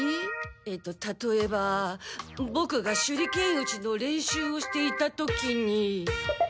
ええと例えばボクが手裏剣打ちの練習をしていた時に。